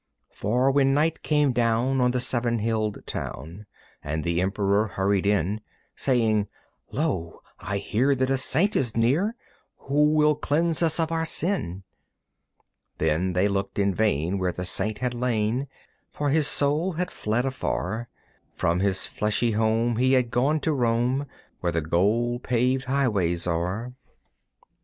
For when night came down on the seven hilled town, And the emperor hurried in, Saying, "Lo, I hear that a saint is near Who will cleanse us of our sin," Then they looked in vain where the saint had lain, For his soul had fled afar, From his fleshly home he had gone to roam Where the gold paved highways are.